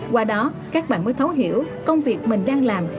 qua đó các bạn mới thấu hiểu công việc mình đang làm